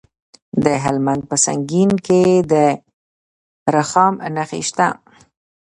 د هلمند په سنګین کې د رخام نښې شته.